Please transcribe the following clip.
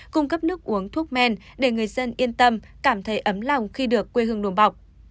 cung cấp nước uống thuốc men để người dân yên tâm cảm thấy ấm lòng khi được quê hương đùm bọc